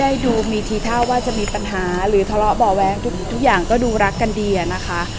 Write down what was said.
ได้ดูมีทีท่าว่าจะมีปัญหาหรือทะเลาะเบาะแว้งทุกอย่างก็ดูรักกันดีอะนะคะ